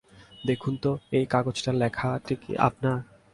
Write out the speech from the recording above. দেখুন তো এই কাগজের লেখাটি আপনার?